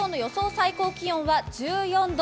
最高気温は１４度。